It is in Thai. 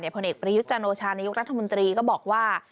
ผลเอกประยุทธ์จันโอชานายกรัฐมนตรีก็บอกว่า